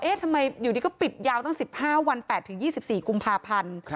ทำไมอยู่ดีก็ปิดยาวตั้ง๑๕วัน๘๒๔กุมภาพันธ์